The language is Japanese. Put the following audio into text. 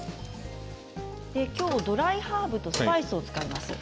今日はドライハーブとスパイスを使います。